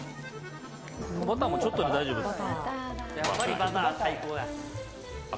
バターもちょっとで大丈夫です。